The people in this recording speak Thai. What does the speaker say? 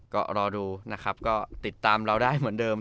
ก็รอดูนะครับก็ติดตามเราได้เหมือนเดิม